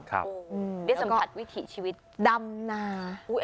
แล้วก็ดำนา